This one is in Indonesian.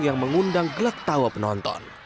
yang mengundang gelak tawa penonton